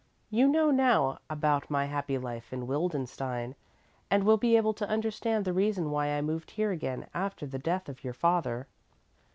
You know now about my happy life in Wildenstein and will be able to understand the reason why I moved here again after the death of your father.